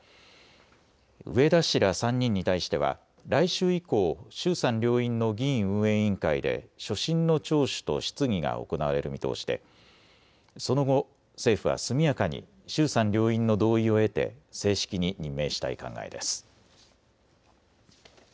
植田氏ら３人に対しては来週以降、衆参両院の議院運営委員会で所信の聴取と質疑が行われる見通しでその後、政府は速やかに衆参両院の同意を得て正式に任命したい考えです。